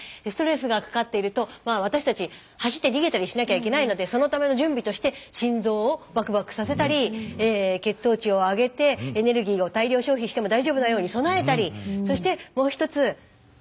ストレスがかかっていると私たち走って逃げたりしなきゃいけないのでそのための準備として心臓をバクバクさせたり血糖値を上げてエネルギーを大量消費しても大丈夫なように備えたりそしてもう一つ。